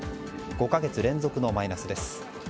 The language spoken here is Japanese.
５か月連続のマイナスです。